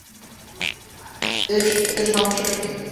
এই এর সমস্যা কী?